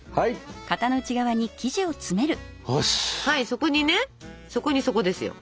そこにねそこに底ですよ。